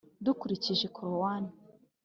dukurikije korowani